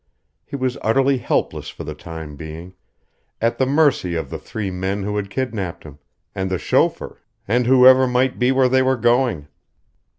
He was utterly helpless for the time being, at the mercy of the three men who had kidnaped him, and the chauffeur, and whoever might be where they were going.